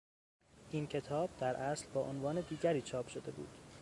این کتاب در اصل با عنوان دیگری چاپ شده بود.